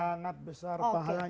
sangat besar pahalanya